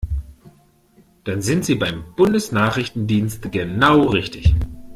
Dann sind Sie beim Bundesnachrichtendienst genau richtig!